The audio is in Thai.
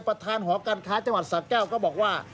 หอการค้าจังหวัดสะแก้วก็บอกว่า